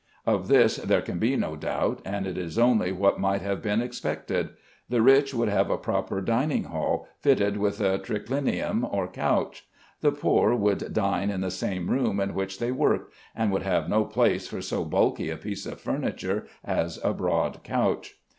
Of this there can be no doubt, and it is only what might have been expected. The rich would have a proper dining hall, fitted with a triclinium or couch. The poor would dine in the same room in which they worked, and would have no place for so bulky a piece of furniture as a broad couch.